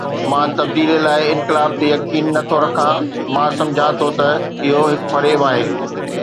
مان تبديليءَ لاءِ انقلاب تي يقين نه ٿو رکان، مان سمجهان ٿو ته اهو هڪ فريب آهي.